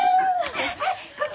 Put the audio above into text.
はいこっち